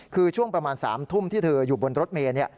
คือช่วงประมาณ๓ทุ่มที่เธออยู่บนรถเมย์